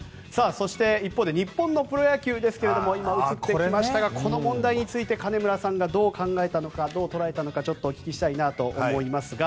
そして、一方で日本のプロ野球ですけれどもこの問題について金村さんがどう考えたのかどう捉えたのかお聞きしたいなと思いますが。